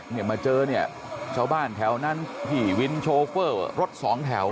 เนี่ยมาเจอเนี่ยชาวบ้านแถวนั้นพี่วินโชเฟอร์รถสองแถว